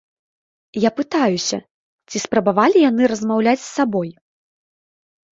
Я пытаюся, ці спрабавалі яны размаўляць з сабой?